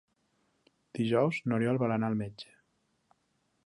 Dijous n'Oriol vol anar al metge.